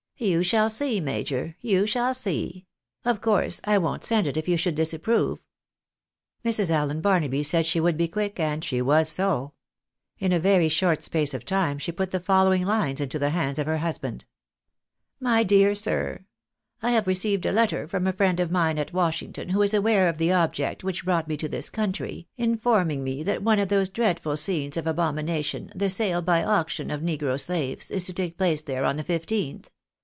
"" You shall see, major, you shall see ; of course I won't send it if you should disapprove." Mrs. Allen Barnaby said she would be quick, and she was so. In a very short space of time she put the following lines into the hands of her husband :—" My DEAR Sir, — I have received a letter from a friend of mine at Washington, who is aware of the object which brought me to this country, informing me that one of those dreadful scenes of abomination, the sale by auction of negro slaves, is to take place there on the 15th.